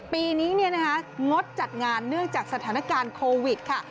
ปีนี้งดจัดงานเนื่องจากสถานการณ์โควิดค่ะ